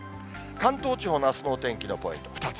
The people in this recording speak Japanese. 関東地方のあすのお天気のポイント、２つ。